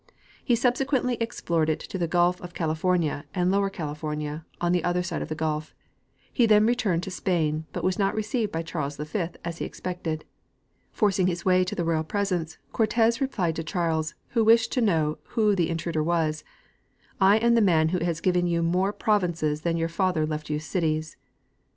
He subsequently ex plored it to the gulf of California and Lower California, on the other side of the gulf. He then returned to Spain, but was not received by Charles V as he expected. Forcing his way to the royal presence, Cortez replied to Charles, who wished to know Avho the intruder was, '' I am the man who has given you more provinces than your father left you cities."